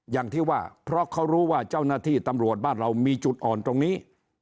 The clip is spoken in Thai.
อย่างที่ว่าเพราะเขารู้ว่าเจ้าหน้าที่ตำรวจบ้านเรามีจุดอ่อนตรงนี้